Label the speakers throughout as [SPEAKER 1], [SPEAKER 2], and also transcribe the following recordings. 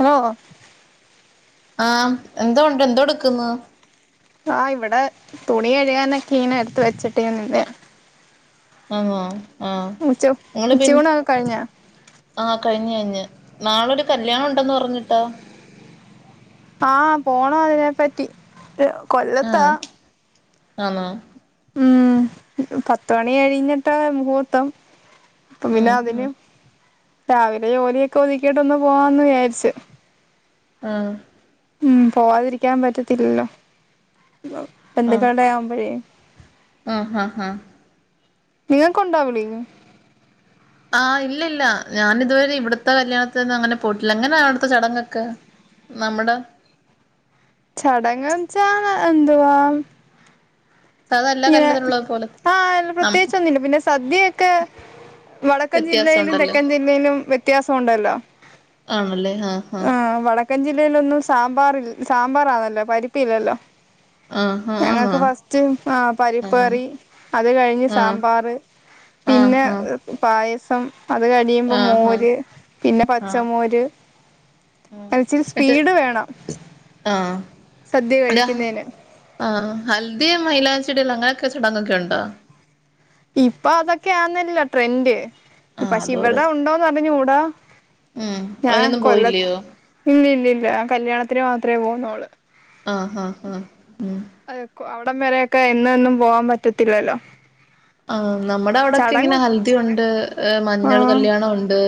[SPEAKER 1] ഹ [unintelligible]
[SPEAKER 2] ആഹ എന്തുണ്ട് എന്തോ എടുക്കുന്നു
[SPEAKER 1] ആഹ് ഇവിടെ തുണി കഴുകാ നൊക്കെ ഇന എടുത്ത് വെച്ചിട്ടേ നിന്നെ
[SPEAKER 2] ആങ്ങോ ആഹ
[SPEAKER 1] ഉച്ച
[SPEAKER 2] നിങ്ങ പിൻ
[SPEAKER 1] ഉച്ചയൂണൊക്കെ കഴിഞ്ഞാ
[SPEAKER 2] ആഹ കഴിഞ്ഞഞ് കഴിഞ്ഞ് നാളരു കല്യാണം ഉണ്ടെന്ന് പറഞ്ഞിട്ടോ
[SPEAKER 1] ആഹ പോണം അതിനെ പറ്റി കൊല്ലത്താ
[SPEAKER 2] ആണ
[SPEAKER 1] ഉം പത്ത മണി കഴിഞ്ഞിട്ട് മുഹൂർത്തം അപ്പ പിന്നെ
[SPEAKER 2] ഉം ഉം
[SPEAKER 1] അതിന് രാവിലെ ജോലിയൊക്കെ ഒതുക്കിട്ട ഒന്ന് പോവാന്ന് വിചാരിച്ചു
[SPEAKER 2] ആഹ
[SPEAKER 1] ഉം പോവാതിരിക്കാൻ പറ്റത്തില്ലല്ലോ
[SPEAKER 2] ആഹ്
[SPEAKER 1] എന്തൊക്കണ്ടയാവുമ്പഴേ
[SPEAKER 2] ആഹ് ഹാ ഹാ
[SPEAKER 1] നിങ്ങക്കുണ്ടാവവി വിളി
[SPEAKER 2] ആഹ ഇല്ല ഇല്ല ഞാാന ഇതുവരെ ഇവിടത്തെ കല്യാണത്തിൽന്നന്ന് അങ്ങനെ പോയിട്ടില്ല അങ്ങനെയാ അവിടുത്തെ ചടങ്ങൊക്കെ നമ്മുടെ
[SPEAKER 1] ചടങ്ങങ് ചാന എന്തുവാ
[SPEAKER 2] സാധാ എല്ലാ
[SPEAKER 1] ഇങ്ങനെ
[SPEAKER 2] കല്യാണത്തിനുള്ളത് പോലെ
[SPEAKER 1] ആഹ
[SPEAKER 2] നം
[SPEAKER 1] പ്രത്യേകിച്ചൊന്നുംില്ല പിന്നെ സദ്യൊക്കെ വടക്കൻ
[SPEAKER 2] വ്യത്യാസം
[SPEAKER 1] ജില്ലയിലും
[SPEAKER 2] ഉണ്ടല്ലോ
[SPEAKER 1] തെക്കൻ ജില്ലയിലും വ്യത്യാസം ഉണ്ടല്ലോ
[SPEAKER 2] ആണല്ലേ ആഹ
[SPEAKER 1] ആ വടക്കൻ ജില്ലയിലൊന്നും സാമ്പാർ സാമ്പാറാണല്ലോ പരിപ്പി ഇല്ലല്ലോ
[SPEAKER 2] ആഹ് ആഹ് ആന്നോ
[SPEAKER 1] ഞങ്ങൾക്ക് ഫസ്റ്റ് ആ
[SPEAKER 2] ആഹ്
[SPEAKER 1] പരിപ്പേറി അത് കഴിഞ്ഞ് സാമ്പാർ
[SPEAKER 2] ആഹ ആഹ
[SPEAKER 1] പായസം അത് കടിയുമ്പോ
[SPEAKER 2] ആഹ്
[SPEAKER 1] മോര് പിന്നെ
[SPEAKER 2] ആഹ്
[SPEAKER 1] പച്ചമോര് മനച്ചൽ
[SPEAKER 2] ന്നട്ട്
[SPEAKER 1] സ്പീഡ് വേണം
[SPEAKER 2] ആഹ്
[SPEAKER 1] സദ്യ കഴിക്കുന്നതിന്
[SPEAKER 2] ആ ഹൽദിയ മൈലാ ചെടില്ലാം അങ്ങനെയൊക്കെ ചടങ്ങ്ങൊക്കെ ഉണ്ടോ
[SPEAKER 1] ഇപ്പൊ അതൊക്കെയ ആന്നല്ല ട്രെൻഡ്
[SPEAKER 2] ആഹ്
[SPEAKER 1] പക്ഷെ
[SPEAKER 2] അതോരോ
[SPEAKER 1] ഇവിടെ ഉണ്ടോന്ന്റിഞ്ഞു കൂടാ
[SPEAKER 2] ഉം
[SPEAKER 1] ഞാൻ
[SPEAKER 2] അതിനൊന്നും
[SPEAKER 1] കൊല്ല
[SPEAKER 2] പോയില്ലയോ
[SPEAKER 1] ഇല്ലല്ലല്ല കല്യാണത്തിന് മാത്രമേ പോകന്നോള്
[SPEAKER 2] ആഹാ ഹാ
[SPEAKER 1] അത അവിടം വരൊക്കെ എന്നൊന്നും പോവാൻ പറ്റത്തില്ലല്ലോ
[SPEAKER 2] ആ നമ്മുടെ അവിടെൊക്കെ ഇങ്ങനെ
[SPEAKER 1] ചടങ്ങ്
[SPEAKER 2] ഹൽദി ഉണ്ട് മഞ്ഞൾ
[SPEAKER 1] ആഹ്
[SPEAKER 2] കല്യാണം ഉണ്ട്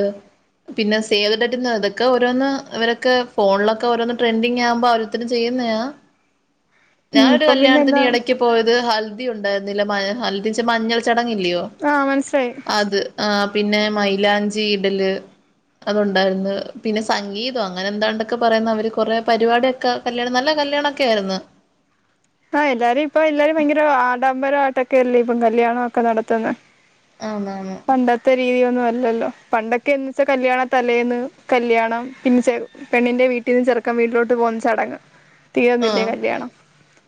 [SPEAKER 2] പിന്നെ സേവ്ട്ട് ഇതക്കെ ഓരോന്ന് ഇവൊക്കെ ഫോണിലൊക്കെഓോന്ന് ട്രെൻഡിങ് ആകുമ്പോൾ അവർ ചെയ ഞ
[SPEAKER 1] ഉം ഇപ്പം പിന്നെ എല്ലാം
[SPEAKER 2] ക ഇ പോയത് ഹൽദി ഉണ്ടായിരുന്നില്ല മ ഹൽദി ച്ചാ മഞ്ഞൾ ചടങ്ങില്ലയോ?
[SPEAKER 1] ആഹ് മനസ്സിലായി
[SPEAKER 2] അത് ആഹ് പിന്നെ മൈലാഞ്ചി ഇടല് അതുണ്ടായിരുന്നു പിന്നെ സംഗീതോ അങ്ങനെ എന്താണ്ടൊക്കെ പറയുന്നത് അവർ കൊറെ പരിപാടിയൊക്കെ കല്യാണം നല്ല കല്യാണൊക്കെ ആയിരുന്നു
[SPEAKER 1] ആഹ് എല്ലാരും ഇപ്പ എല്ലാരും ഭയങ്കര ആഡംബരമായിയിട്ടൊക്കെയല്ലേ ഇപ്പം കല്ല്യാണമൊക്കെ നടത്തുന്നെ
[SPEAKER 2] ആന്നാന്നു
[SPEAKER 1] ത്തെ രീതിയൊന്നും അല്ലല്ലോ പണ്ടൊക്കെ എന്ന് വെച്ചാ കല്യാണ തലേന്ന് കല്യാണം പിന്നെ ചെറ് പെണ്ണിന്റെ വീട്ടീന്ന് ചെറുക്കൻ വീട്ടിലോട്ട് പോകന്ന ചടങ്ങ് തീർന്നില്ലേ
[SPEAKER 2] ആഹ്
[SPEAKER 1] കല്യാണം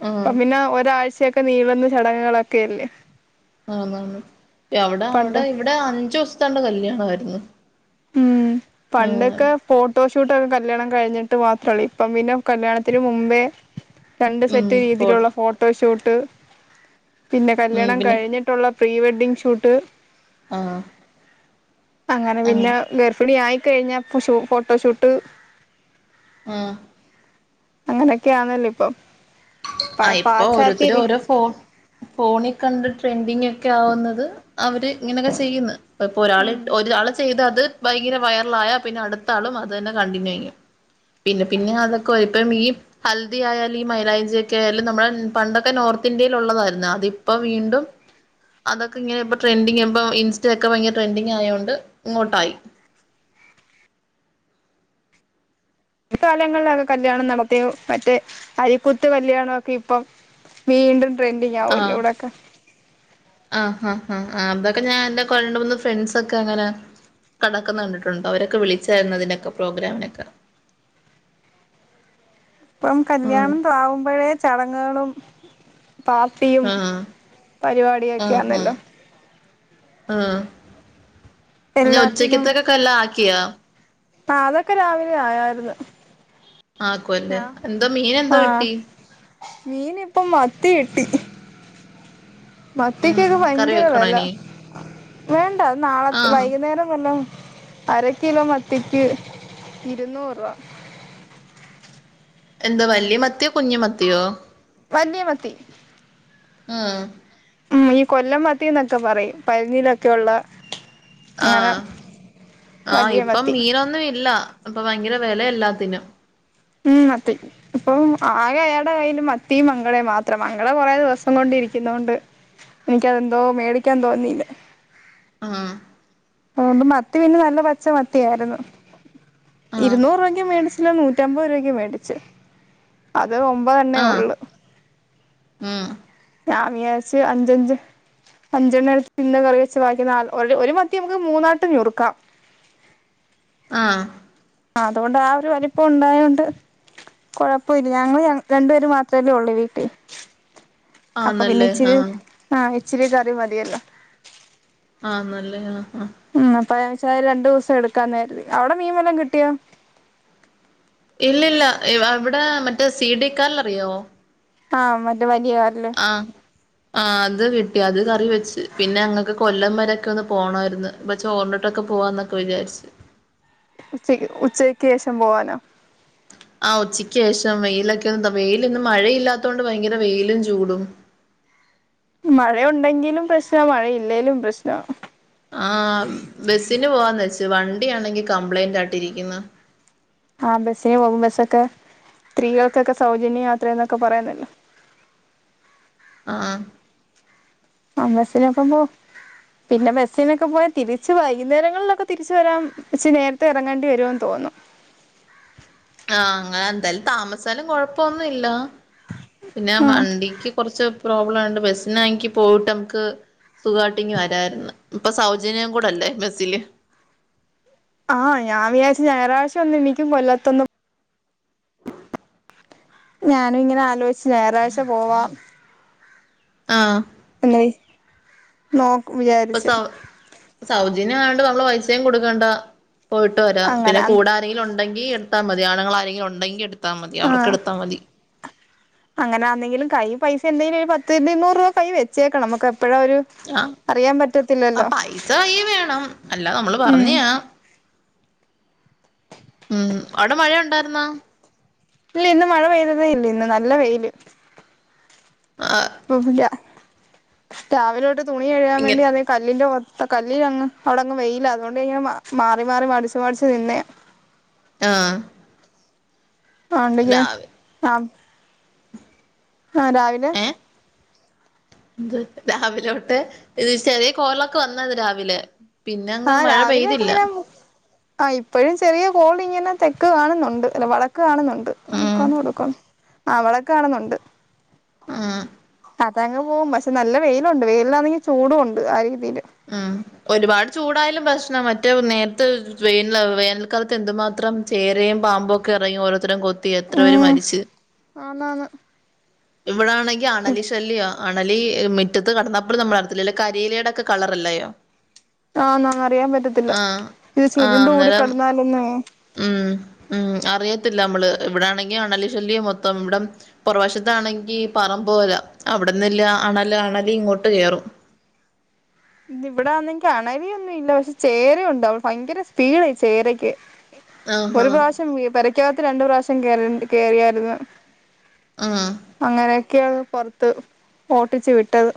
[SPEAKER 2] ആഹ്
[SPEAKER 1] ഇപ്പൊ പിന്നെ ഒരാഴ്ചയൊക്കെ നീള്ന്ന ചടങ്ങുകളൊക്കെയല്ലേ
[SPEAKER 2] ആന്നാന്നു അവിടെ അവിടെ
[SPEAKER 1] പണ്ട്
[SPEAKER 2] ഇവിടെ അഞ്ചു ദിവസത്താണ്ട് കല്യാണായിരുന്നു
[SPEAKER 1] ഉം പണ്ടൊക്കെ ഫോട്ടോഷൂട്ടൊക്കെ കല്യാണം കഴിഞ്ഞിട്ട് മാത്രല്ലേ ഇപ്പം പിന്നെ കല്യാണത്തിന് മുമ്പേ രണ്ട്
[SPEAKER 2] ഉം
[SPEAKER 1] സെറ്റ് രീതിയിലുള്ള
[SPEAKER 2] പോട്ടെ
[SPEAKER 1] ഫോട്ടോഷൂട്ട് പിന്നെ
[SPEAKER 2] ഉം
[SPEAKER 1] കല്യാണം
[SPEAKER 2] പിന്നെ
[SPEAKER 1] കഴിഞ്ഞിട്ട് ട്ടുള്ള പ്രീ വെഡ്ഡിംഗ് ഷൂട്ട്
[SPEAKER 2] ആഹ്
[SPEAKER 1] അങ്ങനെ
[SPEAKER 2] ആഹ്
[SPEAKER 1] പിന്നെ ഗർഫിണി ആയിക്കഴിഞ്ഞാ പുഷ് ഫോട്ടോഷൂട്ട്
[SPEAKER 2] ആഹ്
[SPEAKER 1] അങ്ങനെയൊക്കെ ആന്നല്ലേ ഇപ്പൊ
[SPEAKER 2] ആഹ് ഇപ്പൊ ഓരോരുത്തര് ഓരോ ഫോ ഫോണി കണ്ട് ട്രെൻഡിങ് ഒക്കെ ആവുന്നത് അവര് ഇങ്ങനെയൊക്കെ ചെയ്യുന്ന് ഇപ്പോ ഒരാള്
[SPEAKER 1] ഉം
[SPEAKER 2] ഇട്ട് ഒരാള് ചെയ്ത് അത് ഭയങ്കര വൈറൽ ആയ പിന്നെ അടുത്ത ആളും അത് തന്നെ കണ്ടിന്യൂ ചെയ്യും പിന്നെ പിന്നെ അതൊക്കെ [unintelligible] ഇപ്പം ഈ ഹൽദി ആയാലും ഈ മൈലാഞ്ച് ക്കേയാലും നമ്മളെ ഉം പണ്ടൊക്കെ നോർത്ത് ഇന്ത്യയിൽ ഒള്ളതാരുന്നു അതിപ്പോ വീണ്ടും അതൊക്കെ ഇങ്ങനെപ്പൊ ട്രെൻഡിംഗ് ഇപ്പോ ഇൻസ്റ്റേയെക്കെ ഭയങ്കര ട്രെൻഡിങ്ങായോണ്ട് ഇങ്ങോട്ടായി
[SPEAKER 1] കാലങ്ങളിലൊക്കെ കല്യാണം നടത്തിയോ മറ്റേ അരിക്കുത്ത് കല്യാണോക്കെ ഇപ്പം വീണ്ടും ട്രെൻഡിങ് ആവുവല്ലേ
[SPEAKER 2] ആഹ്
[SPEAKER 1] ഇവിടെക്കെ
[SPEAKER 2] ആഹ് ആഹ് ആഹ് ആഹ് അതൊക്കെ ഞാൻ എൻ്റെ രണ്ട് മൂന്ന് ഫ്രണ്ട്സ് ഒക്കെ അങ്ങനെ കടക്കുന്ന കണ്ടിട്ടുണ്ട് അവരൊക്കെ വിളിച്ചാരുന്നതിനൊക്ക പ്രോഗ്രാമിനൊക്ക
[SPEAKER 1] ഇപ്പം
[SPEAKER 2] ഉം
[SPEAKER 1] കല്യാണം ത ആവുമ്പഴേ ചടങ്ങുകളും പാർട്ടിയും
[SPEAKER 2] ആഹ്
[SPEAKER 1] പരിപാടിയൊക്കെ
[SPEAKER 2] ആഹ് ആഹ്
[SPEAKER 1] ആന്നല്ലോ
[SPEAKER 2] ആഹ് പിന്നെ
[SPEAKER 1] എല്ലാത്തിനും
[SPEAKER 2] ഉച്ചക്കത്തേക്ക്‌ക്കെല്ലാ ആക്കിയാ
[SPEAKER 1] ആഹ് അതൊക്കെ രാവിലെ ആയാരുന്നു
[SPEAKER 2] ആക്കുവല്ലേ എന്തോ മീൻ എന്തോ‌ കിട്ടി?
[SPEAKER 1] മീൻ ഇപ്പം മത്തികിട്ടി.
[SPEAKER 2] ഉം
[SPEAKER 1] മത്തിക്കൊക്കെ
[SPEAKER 2] കറി
[SPEAKER 1] ഭയങ്കര
[SPEAKER 2] വെക്കണോ
[SPEAKER 1] വെല
[SPEAKER 2] ഇനി
[SPEAKER 1] വേണ്ട അത് നാളെത്
[SPEAKER 2] ആഹ്
[SPEAKER 1] വൈകുന്നേരം വല്ലോം അരക്കിലോ മത്തിക്ക് ഇരുന്നൂറ് രൂപ
[SPEAKER 2] എന്തോ വല്യ മത്തിയോ കുഞ്ഞ് മത്തിയോ?
[SPEAKER 1] വല്യ മത്തി
[SPEAKER 2] ആഹ്
[SPEAKER 1] ഉം ഈ കൊല്ലം മത്തി എന്നൊക്കെ പറയും പരിഞ്ഞിലൊക്കെ ഒള്ള
[SPEAKER 2] ആഹ് ആഹ്
[SPEAKER 1] വലിയ
[SPEAKER 2] ഇപ്പം
[SPEAKER 1] മത്തി
[SPEAKER 2] മീനൊന്നും ഇല്ല ഇപ്പൊ ഭയങ്കര വെലയാ എല്ലാത്തിനും
[SPEAKER 1] ഉം മത്തി ഇപ്പം ആകെ അയാടെ കൈയ്യില് മത്തിയും മങ്കടെം മാത്രം മങ്കട കൊറെ ദിവസം കൊണ്ടിരിക്കുന്നോണ്ട് എനിക്കതെന്തോ മേടിക്കാൻ തോന്നില്ലാ
[SPEAKER 2] ആഹ്
[SPEAKER 1] അതുകൊണ്ട് മത്തി പിന്നെ നല്ല പച്ച മത്തിയാരുന്നു
[SPEAKER 2] ആഹ്
[SPEAKER 1] ഇരുന്നൂറ് രൂപക്ക്‌ മേടിച് കിലോ നൂറ്റമ്പത് രൂപയ്ക്ക് മേടിച്ച് അത് ഒമ്പതണ്ണേ ഒള്ള്
[SPEAKER 2] ആഹ്
[SPEAKER 1] ഞാൻ വിചാരിച്ച് അഞ്ച് അഞ്ച് അഞ്ചെണ്ണം എടുത്ത് ഇന്ന് കറി വെച്ച് ബാക്കി നാല് ഒരു ഒരു മത്തി നമുക്ക്‌ മൂന്നായിട്ട് ഞുറുക്കാം
[SPEAKER 2] ആഹ്
[SPEAKER 1] ആഹ് അതുകൊണ്ട് ആ ഒരു വലിപ്പം ഉണ്ടായോണ്ട് കൊഴപ്പവില്ല ഞങ്ങള് ര രണ്ട് പേര് മാത്രവല്ലേ ഉള്ളൂ വീട്ടിൽ അപ്പ പിന്നെ
[SPEAKER 2] ആന്നല്ലേ
[SPEAKER 1] ഇച്ചിരി
[SPEAKER 2] ആഹ്
[SPEAKER 1] ആഹ് ഇച്ചിരി കറി മതിയല്ലോ
[SPEAKER 2] ആഹ് നല്ലയാ ആഹ് ആഹ്
[SPEAKER 1] ഉം അപ്പ വെച്ചാല് ഒരു രണ്ട് ദിവസം എടുക്കാന്ന് കരുതി അവിടെ മീൻ വല്ലോം കിട്ടിയോ
[SPEAKER 2] ഇല്ലില്ല ഇവ അവിടെ മറ്റേ സിഡിക്കാൽ അറിയാവൊ
[SPEAKER 1] ആഹ് മറ്റേ വലിയ കാല് അല്ലേ
[SPEAKER 2] ആഹ് ആഹ് അത് കിട്ടി അത് കറി വെച്ച് പിന്നെ ഞങ്ങക്ക് കൊല്ലം വരെയൊക്കെ ഒന്ന് പോണാരുന്ന് അപ്പോ ചോറ് ഉണ്ടിട്ടൊക്കെ പോവാന്നൊക്കെ വിചാരിച്ച്
[SPEAKER 1] ഉച്ചക്ക് ഉച്ചക്ക് ശേഷം പോവാനോ
[SPEAKER 2] ആഹ് ഉച്ചക്ക് ശേഷം വെയിലൊക്കെ ഒന്ന് ത വെയിലിന്ന് മഴയില്ലാത്ത കൊണ്ട് ഭയങ്കര വെയിലും ചൂടും
[SPEAKER 1] മഴ ഒണ്ടെങ്കിലും പ്രശ്നവാ മഴ ഇല്ലേലും പ്രശ്നവാ
[SPEAKER 2] ആഹ് ബസിന് പോവാന്ന് വെച്ച് വണ്ടി ആണെങ്കി കംപ്ലൈയിന്റ് ആയിട്ട് ഇരിക്കുന്ന്
[SPEAKER 1] ആഹ് ബസ്സിന് പോകും ബസ്സൊക്കെ സ്ത്രീകൾക്കൊക്കെ സൗജന്യ യാത്രേന്നൊക്കെ പറയുന്നല്ലോ
[SPEAKER 2] ആഹ്
[SPEAKER 1] ആഹ് ബസിനപ്പം പോ പിന്നെ ബസ്സിനൊക്കെ പോയാൽ തിരിച്ച് വൈകുന്നേരങ്ങളിലൊക്കെ തിരിച്ച് വരാൻ ഇച്ചിരി നേരത്തെ ഇറങ്ങേണ്ടി വരുവെന്ന് തോന്നുന്നു
[SPEAKER 2] ആഹ് അങ്ങനെ എന്തായാലും താമസിച്ചാലും കൊഴപ്പവൊന്നും ഇല്ല പിന്നെ
[SPEAKER 1] ആഹ്
[SPEAKER 2] വണ്ടിക്ക് കൊറച്ച് പ്രോബ്ലായോണ്ട് ബസിനാണെങ്കി പോയിട്ട് നമുക്ക് സുഖവായിട്ടിങ്ങ് വരാരുന്നു ഇപ്പ സൗജന്യം കൂടെ അല്ലേ ബസ്സില്
[SPEAKER 1] ആഹ് ഞാൻ വിചാരിച്ച് ഞായറാഴ്ച ഒന്ന് എനിക്കും കൊല്ലത്തൊന്ന് ഞാനും ഇങ്ങനെ ആലോചിച്ച് ഞായറാഴ്ച പോവാം
[SPEAKER 2] ആഹ്
[SPEAKER 1] ലെ നോക്കും വിചാരിച്ച്
[SPEAKER 2] സൗജന്യം ആയോണ്ട് നമ്മള് പൈസയും കൊടുക്കേണ്ട പോയിട്ട് വരാം പിന്നെ
[SPEAKER 1] അങ്ങനെ
[SPEAKER 2] കൂടാ രെങ്കിലും ഉണ്ടെങ്കി എടുത്താ മതി ആണ്ണുങ്ങൾ ആരെങ്കിലും ഉണ്ടെങ്കി എടുത്താ മതി അവർക്ക്
[SPEAKER 1] ആഹ്
[SPEAKER 2] എടുത്താൽ മതി
[SPEAKER 1] അങ്ങനാന്നെങ്കിലും കൈയിൽ പൈസ എന്തെങ്കിലും ഒരു പത്ത് ഇരുന്നൂറ് രൂപ കൈയിൽ വെച്ചേക്കണം നമുക്ക് എപ്പഴാ ഒരു
[SPEAKER 2] ആഹ്
[SPEAKER 1] അറിയാൻ
[SPEAKER 2] ആ
[SPEAKER 1] പറ്റത്തില്ലല്ലോ
[SPEAKER 2] പൈസ കൈയിൽ വേണം അല്ല നമ്മള്
[SPEAKER 1] ഉം
[SPEAKER 2] പറഞ്ഞയാ ഉം അവിടെ മഴയുണ്ടാരുന്നോ
[SPEAKER 1] ഇല്ല ഇന്ന് മഴ പെയ്തതേ ഇല്ല ഇന്ന് നല്ല വെയില്
[SPEAKER 2] ആഹ്
[SPEAKER 1] [unintelligible] രാവിലെ തൊട്ട് തുണി കഴുകാൻ
[SPEAKER 2] ഇങ്ങ
[SPEAKER 1] വേണ്ടി അത കല്ലിന്റെ ഒത്ത കല്ലിൽ അങ്ങ് അവിടങ്ങ് വെയിലാ അതുകൊണ്ട് ഞാൻ മാറി മാറി മടിച്ച് മടിച്ച് നിന്നയാ
[SPEAKER 2] ആഹ്
[SPEAKER 1] ആഹ് എന്തൊക്കെയാ
[SPEAKER 2] രാവി
[SPEAKER 1] ആ ആ രാവിലെ
[SPEAKER 2] ഏഹ് എന്ത് രാവിലെ തൊട്ടേ ഇത് ചെറിയ കോളൊക്കെ വന്നാരുന്നു രാവിലെ പിന്നെ അങ്ങ്
[SPEAKER 1] ആഹ്
[SPEAKER 2] മഴ
[SPEAKER 1] രാവിലെ ഒക്കെ
[SPEAKER 2] പെയ്തില്ല
[SPEAKER 1] ഇങ്ങനെ ആ ഇപ്പഴും ചെറിയ കോളിങ്ങനെ തെക്ക് കാണുന്നുണ്ട് അല്ല വടക്ക് കാണുന്നുണ്ട് ണ്ട്
[SPEAKER 2] ഉം
[SPEAKER 1] തെക്കാണോ വടക്കാണോ ആ വടക്ക് കാണുന്നുണ്ട്
[SPEAKER 2] ആഹ്
[SPEAKER 1] അതങ്ങ് പോകും പക്ഷെ നല്ല വെയിലുണ്ട് വെയിലിനാണെങ്കിൽ ചൂടും ഉണ്ട് ആ രീതിയില്
[SPEAKER 2] ഉം ഒരുപാട് ചൂടായാലും പ്രശ്നവാ മറ്റേ നേരത്തെ വേന വേനൽക്കാലത്ത് എന്തുമാത്രം ചേരയും പാമ്പും ഒക്കെ ഇറങ്ങി ഓരോരുത്തരെയും കൊത്തി എത്ര പേര്
[SPEAKER 1] ഉം
[SPEAKER 2] മരിച്ച്
[SPEAKER 1] ആന്നാന്ന്
[SPEAKER 2] ഇവിടാണെങ്കിൽ അണലി ശല്യവാ അണലി മുറ്റത്ത് കിടന്നാ പോലും നമ്മള് അറിയത്തില്ല അല്ല കരിയിലേടൊക്കെ കളറല്ലയോ
[SPEAKER 1] ആഹ് നൻ അറിയാൻ പറ്റത്തില്ല
[SPEAKER 2] ആഹ്
[SPEAKER 1] ഇത്
[SPEAKER 2] ആഹ്
[SPEAKER 1] ചുരുണ്ട കൂടി
[SPEAKER 2] അന്നേരം
[SPEAKER 1] കിടന്നാലൊന്ന
[SPEAKER 2] ഉം ഉം അറിയത്തില്ല നമ്മള് ഇവിടെ ആണെങ്കും അണലിശല്ലി മൊത്തം ഇവിടം പാറവശത്താണെങ്കി പറമ്ബ്പോല അവിടന്നില്ല ആണല ആണലിഇങ്ങോട്ട് കേയറും
[SPEAKER 1] ഇവിടെണിക്ക് അണലൊന്നും ഇല്ല പക്ഷെ ചേര ഉണ്ടഅവ ഭയങ്കര സ്പീഡായി ചേരക്ക്
[SPEAKER 2] ആഹാ
[SPEAKER 1] ഒരു പ്രാവശ്യം വി പരക്കാത്ത രണ്ടു പ്രാവശ്യം കേറി കേറിയായിരുന്നു
[SPEAKER 2] ആഹ്
[SPEAKER 1] അങ്ങനെയൊക്കെയാണ് പുറത്ത് ഓട്ടിച്ചു വിട്ടത്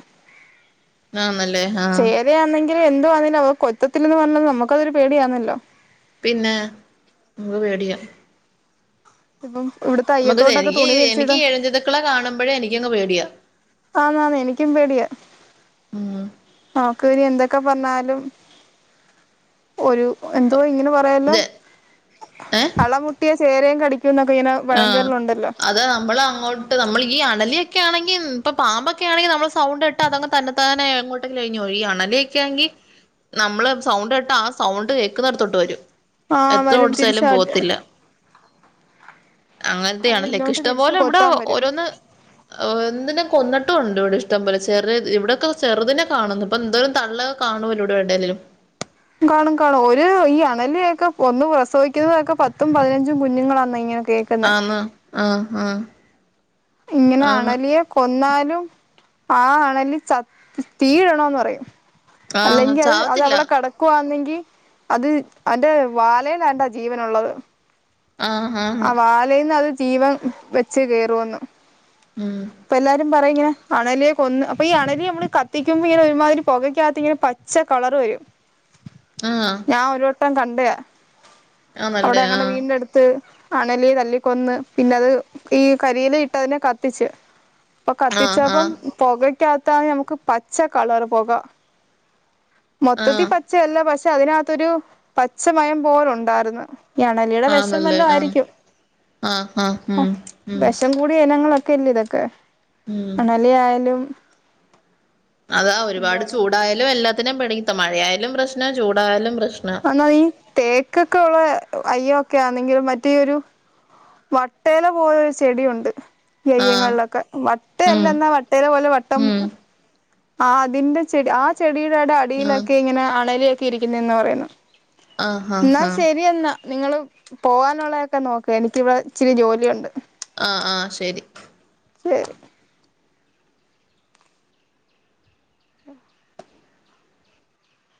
[SPEAKER 2] ആന്നല്ലേ ആഹ
[SPEAKER 1] ഇത ആണെങ്കിൽ എന്താണേും അവർ കൊതത്തില്ല പറഞ്ഞ നമുക്കഅൊരു പേടിയാണല്ലോ
[SPEAKER 2] പിന്നെ നമക്ക് പേടിയ
[SPEAKER 1] ഇപ്പ ഇവിടുത്ത
[SPEAKER 2] നമുമൊത്തത്തിഎനിക്ക് ഴഞ്ഞ്ഞിതുക്കള കാണുമ്പോഴേ എനിക്കങ് പേടിയാ
[SPEAKER 1] ആന്നെ ന്നെ എനിക്കും പേടിയാ
[SPEAKER 2] ഉം
[SPEAKER 1] നക്ക് ഇനി എന്തൊക്കെ പറഞ്ഞാലും ഒരു എന്തോ ഇങ്ങനെ പറയല്ലോ
[SPEAKER 2] ഇത് ഏഹ്
[SPEAKER 1] അളമുട്ടിയ ചേരയും കടിക്ക എന്നൊക്കെ ഇങ്ങനെ
[SPEAKER 2] ആഹ
[SPEAKER 1] പഴഞ്ചൊല്ലുണ്ടല്ലോ
[SPEAKER 2] അത നമ്മൾ അങ്ങോട്ട് നമ്മൾ ഈ അണലിയോക്കെ ആണെങ്കിൽ ഇപ്പൊ പാമ്പൊക്കെ ആണെങ്കിൽ നമ്മൾ സൗണ്ട് ഇട്ട് അങ് തന്നെ തന്നെോട്ട് ല്ലെനിയോ അണലൊക്കാെങ്കി നമ്മള് സൗണ്ട് കേട്ട് ആ സൗണ്ട് കേൾക്കുന്നിടത്തോട്ട് വരും
[SPEAKER 1] ആ
[SPEAKER 2] എത്ര
[SPEAKER 1] വരും തിരിച്ച്
[SPEAKER 2] ഓടിച്ചാലും പോത്തില്ല
[SPEAKER 1] അത്
[SPEAKER 2] അങ്ങനത്തെയണല്ലേക്ക
[SPEAKER 1] ഇങ്ങോട്ട്
[SPEAKER 2] ഇഷ്ടം
[SPEAKER 1] തിരിച്ച്
[SPEAKER 2] പോലെ ഇവിടെ
[SPEAKER 1] കൊത്താൻ വരും
[SPEAKER 2] ഓരോന്ന് എന്തിന കൊന്നിട്ടുംണ്ട് ഇവിടെ ഇഷ്ടം പോലെ ചെറു ഇവിടെയൊക്കെ ചെറുതിനെ കാണുന്നു ഇപ്പൊ എന്തായാരു തള്ള കാണൂലെടെ വണ്ടേലും
[SPEAKER 1] കാണും കാണും ഒരു ഈ അണലിയൊക്കെ ഒന്ന് പ്രസവിക്കുന്നതൊക്കെ പത്തും പതിനഞ്ചും കുഞ്ഞുങ്ങളാന്ന ഇങ്ങനെ കേൾക്കുന്നെ
[SPEAKER 2] ആന്നോ ആഹ ആഹ
[SPEAKER 1] ഇങ്ങനെ അണലിയെ കൊന്നാലും ആ അണലി ച തീഴട്ണോന്ന് പറയും
[SPEAKER 2] ആഹ്
[SPEAKER 1] അല്ലെങ്കിൽ അത്
[SPEAKER 2] ചാവത്തില്ല
[SPEAKER 1] അവട കടക്കും ക്കുവാന്നെങ്കി അത് അന്റെ വാലയില എന്റെ ജീവന ഉള്ളത്.
[SPEAKER 2] ആഹാ
[SPEAKER 1] ആ വാലയിൽന്ന് അത് ജീവൻ വെച്ച് കയറ വന്നു
[SPEAKER 2] ഉം
[SPEAKER 1] അപ്പ എല്ലാരും പറയും ഇങ്ങെ അണലിയെ കൊന്ന് അപ്പോ ഈ അണലി നമ്മള് കത്തിക്കുമ്പോ ഇങ്ങനെ ഒരുമാതിരി പുകയ്ക്കകത്ത് ഇങ്ങനെ പച്ച കളർ വരും.
[SPEAKER 2] ആഹ്
[SPEAKER 1] ഞാൻ ഒരു വട്ടം കണ്ട
[SPEAKER 2] ആന്നല്ലേ?
[SPEAKER 1] അവിടെ
[SPEAKER 2] ആ
[SPEAKER 1] അങ്ങടെ വീടിന്റെ അടുത്ത് അണലിയെ തല്ലി കൊന്ന് പിന്നെ അത് ഈ കരിയില ഇട്ടതിനെ കത്തിച്ച്. ഇപ്പ
[SPEAKER 2] നല്ല ആഹ്
[SPEAKER 1] കത്തിച്ചപ്പം
[SPEAKER 2] ആഹ്
[SPEAKER 1] പുകയ്ക്കകത്ത നമുക്ക് പച്ച കളറ് പുക
[SPEAKER 2] ആഹ്
[SPEAKER 1] മൊത്തത്തിൽ
[SPEAKER 2] ആഹ്
[SPEAKER 1] പ പച്ചല്ല പക്ഷെ അതിനകത്തൊരു പച്ചമയം പോലുണ്ടായിരുന്നു ഈ അണലിയുടെ
[SPEAKER 2] ആഹ്
[SPEAKER 1] വിഷ
[SPEAKER 2] നല്ല
[SPEAKER 1] വല്ല
[SPEAKER 2] ആഹ്
[SPEAKER 1] ആയിരിക്കും. [unintelligible]
[SPEAKER 2] ആഹ് ആഹ് ഉം ഉം
[SPEAKER 1] വിഷം കൂടിയ ഇനങ്ങളൊക്കെ ഇല്ല ഇതൊക്കെ
[SPEAKER 2] ഉം
[SPEAKER 1] അണലി ആയാലും
[SPEAKER 2] അതാ ഒരുപാട് ചൂടായാലും എല്ലാത്തിനും പെടിത്ത മഴയായാലും പ്രശ്നം ചൂടായാലും പ്രശ്ന
[SPEAKER 1] എന്നാ ഈ തേക്കൊക്കെ ഉള്ള അയ്യ ഒക്കെ ആണെങ്കിലും മറ്റേ ഒരു വട്ടേയില പോലരു ചെടിയുണ്ട്
[SPEAKER 2] ആഹ്
[SPEAKER 1] നെയ്യങ്ങളിലൊക്കെ വട്ടയല്ല
[SPEAKER 2] ഉം
[SPEAKER 1] എന്നാ വട്ടയിലെ പോലെ വട്ടം
[SPEAKER 2] ഉം
[SPEAKER 1] ആ അതിന്റെ ചെടി ആ ചെടിയുടെടെ
[SPEAKER 2] ആഹ്
[SPEAKER 1] അടിയിലൊക്കെ ഇങ്ങനെ അണലിയൊക്കെ ഇരിക്കുന്നന്ന് പറയുന്നു
[SPEAKER 2] ആഹ് ആഹ്
[SPEAKER 1] എന്നാ
[SPEAKER 2] ആഹ്
[SPEAKER 1] ശരിയെന്നാ നിങ്ങള്പോവാനുള്ളതൊക്കെ നോക്ക എനിക്കിവിടെ ഇച്ചിരി ജോലിയുണ്ട്
[SPEAKER 2] ആ ആ ശരി
[SPEAKER 1] ശരി [inaudible]